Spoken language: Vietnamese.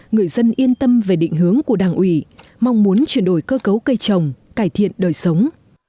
người dân yên tâm về định hướng của đảng ủy mong muốn chuyển đổi cơ cấu cây trồng cải thiện đời sống